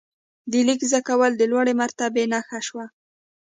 د لیک زده کول د لوړې مرتبې نښه شوه.